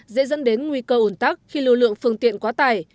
dễ dẫn đến nguy cơ ủn tắc khi lưu lượng phương tiện quá tải